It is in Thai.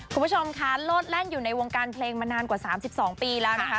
คุณผู้ชมคะโลดแล่นอยู่ในวงการเพลงมานานกว่า๓๒ปีแล้วนะคะ